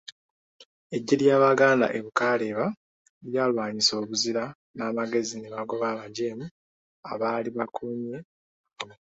Eggye ly'Abaganda e Bukaleeba lyalwanyisa obuzira n'amagezi ne bagoba abajeemu abaali bakumye awo.